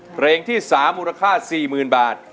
เพลงที่๓มูลค่า๔๐๐๐บาท